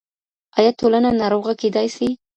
آيا ټولنه ناروغه کيدای سي؟